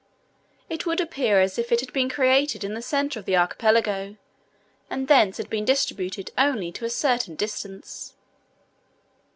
It would appear as if it had been created in the centre of the archipelago, and thence had been dispersed only to a certain distance.